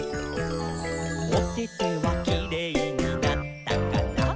「おててはキレイになったかな？」